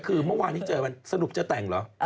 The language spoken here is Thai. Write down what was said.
คือเมื่อวานนี้เจอกันสรุปจะแต่งเหรอ